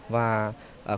và khu du lịch sinh thái